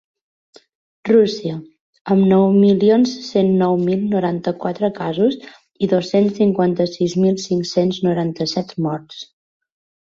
Rússia, amb nou milions cent nou mil noranta-quatre casos i dos-cents cinquanta-sis mil cinc-cents noranta-set morts.